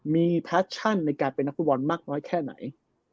มีแพชชั่นในการเป็นนักฟุตบอลมากน้อยแค่ไหน